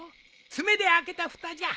爪で開けたふたじゃ。